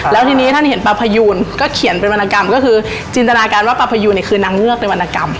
แล้วทีนี้ท่านเห็นปลาพยูนก็เขียนเป็นวรรณกรรมก็คือจินตนาการว่าปลาพยูนเนี่ยคือนางเงือกในวรรณกรรม